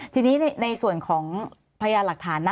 ทีนี้ในส่วนของพยานหลักฐาน